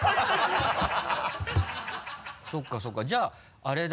そうかそうかじゃああれだ。